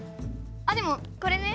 あでもこれね